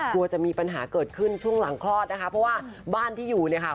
กลัวจะมีปัญหาเกิดขึ้นช่วงหลังคลอดนะคะเพราะว่าบ้านที่อยู่เนี่ยค่ะ